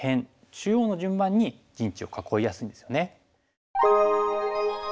中央の順番に陣地を囲いやすいんですよね。